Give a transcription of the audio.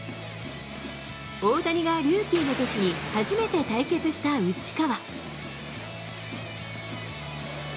大谷がルーキーの年に初めて対決した内川。